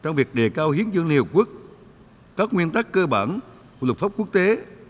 trong việc đề cao hiến dương liên hợp quốc các nguyên tắc cơ bản của luật pháp quốc tế